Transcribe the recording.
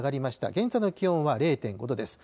現在の気温は０．５度です。